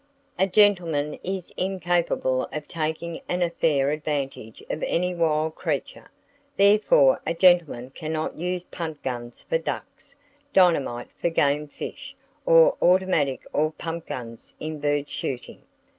A gentleman is incapable of taking an unfair advantage of any wild creature; therefore a gentleman cannot use punt guns for ducks, dynamite for game fish, or automatic or pump guns in bird shooting.